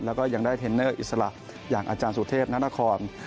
แล้วก็ยังได้เทรนเนอร์อิสระอย่างอาจารย์สุเทพนานคร